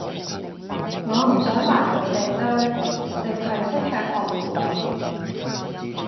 我唔想埋佢地堆，剩係識吃喝玩樂